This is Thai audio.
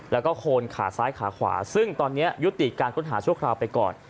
แล้วก็โคนขาซ้ายขาขวาซึ่งตอนนี้ยุติการค้นหาชั่วคราวไปก่อน